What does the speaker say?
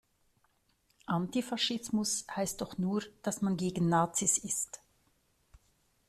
Antifaschismus heißt doch nur, dass man gegen Nazis ist.